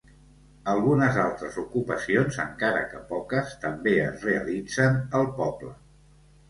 Algunes altres ocupacions, encara que poques, també es realitzen al poble.